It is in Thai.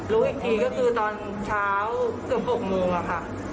รู้อีกทีก็คือตอนเช้าเกือบ๖โมงค่ะ